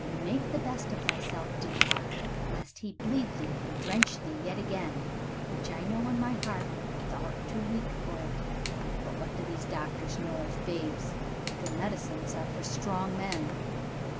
Make the best of thyself, dear heart, lest he bleed thee and drench thee yet again, which I know in my heart thou'rt too weak for it. But what do these doctors know of babes? Their medicines are for strong men."